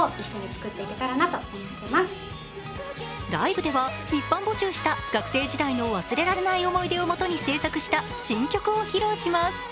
ライブでは、一般募集した学生時代の忘れられない思い出を元に制作した新曲を披露します。